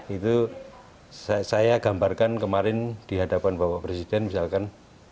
itu saya gambarkan kemarin dihadapan bapak presiden misalkan